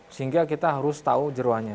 sehingga kita harus tahu jeruannya